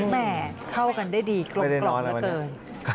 แหม่เข้ากันได้ดีกลมเหลือเกิน